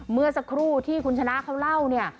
เมื่อสักครู่ที่คุณชนะเขาเล่าเนี่ย